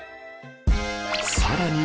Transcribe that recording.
さらに